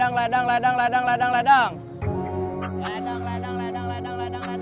orang eureka jadi lebih jauh dari estaba aku